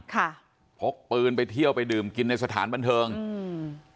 พกปืนไปเที่ยวไปดื่มกินในสถานบันเทิงอืม